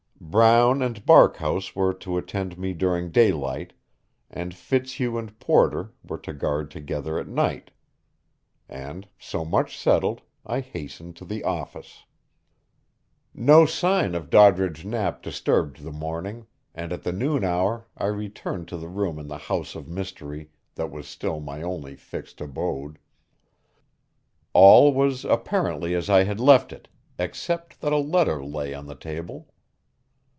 Brown and Barkhouse were to attend me during daylight, and Fitzhugh and Porter were to guard together at night. And, so much settled, I hastened to the office. No sign of Doddridge Knapp disturbed the morning, and at the noon hour I returned to the room in the house of mystery that was still my only fixed abode. All was apparently as I had left it, except that a letter lay on the table.